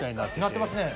なってますね。